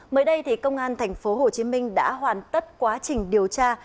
mới đây công an tp hcm đã hoàn tất quá trình điều tra